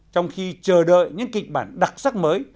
trong khi chờ đợi những kịch bản đặc sắc mới